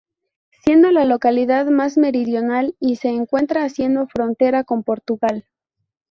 Siendo la localidad más meridional y se encuentra haciendo frontera con Portugal.